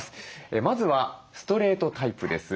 まずはストレートタイプです。